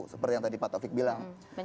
seperti yang tadi pak taufik bilang